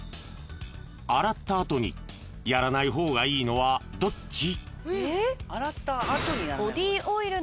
［洗った後にやらない方がいいのはどっち？］